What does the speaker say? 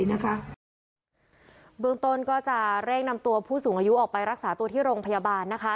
เบื้องต้นก็จะเร่งนำตัวผู้สูงอายุออกไปรักษาตัวที่โรงพยาบาลนะคะ